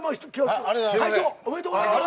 会長おめでとうございます。